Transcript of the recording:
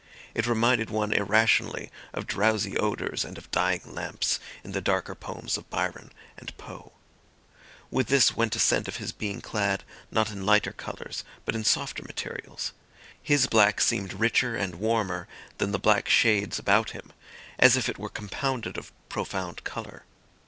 It reminded one irrationally of drowsy odours and of dying lamps in the darker poems of Byron and Poe. With this went a sense of his being clad, not in lighter colours, but in softer materials; his black seemed richer and warmer than the black shades about him, as if it were compounded of profound colour.